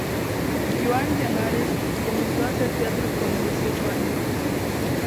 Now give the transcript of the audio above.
Joan Llaneras, comenzó a hacer teatro con dieciocho años.